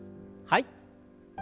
はい。